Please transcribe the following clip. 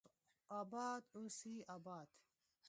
اباد اوسي اباد